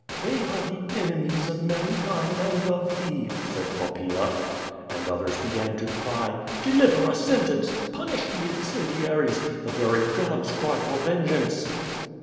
"They are the enemies of mankind and of thee," said Poppaea. And others began to cry: "Deliver a sentence! Punish the incendiaries! The very gods cry for vengeance!"